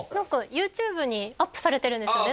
ＹｏｕＴｕｂｅにアップされてるんですよね？